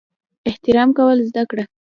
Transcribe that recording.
احترام کول زده کړه!